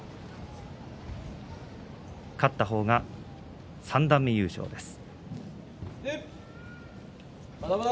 勝った方が三段目優勝です。